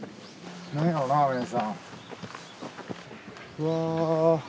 うわ。